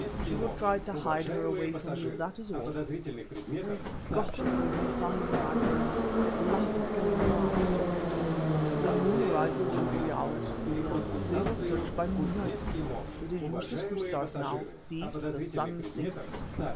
She will try to hide her away from you, that is all." "Pray God that we may find her," I groaned. "The light is going fast." "The moon rises in three hours," he answered; "we will search by moonlight. It is useless to start now; see, the sun sinks.